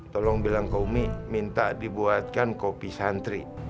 tolong bilang ke umi minta dibuatkan kopi santri